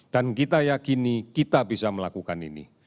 kita yakini kita bisa melakukan ini